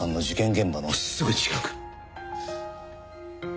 現場のすぐ近く。